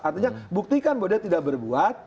artinya buktikan bahwa dia tidak berbuat